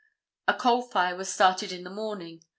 A coal fire was started in the morning.